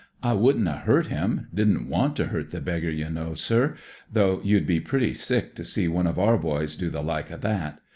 I wouldn't have hurt him; dkln't want to hurt the beggar, you know, (bt; though you'd be pretty sick to see one ®f our boys do the like o' that.